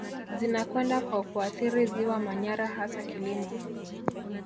Zinakwenda kwa kuathiri ziwa Manyara hasa kilimo